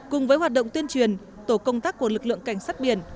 cùng với hoạt động tuyên truyền tổ công tác của lực lượng cảnh sát biển